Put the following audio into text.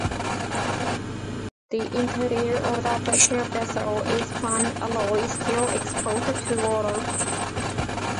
The interior of the pressure vessel is plain alloy steel, exposed to water.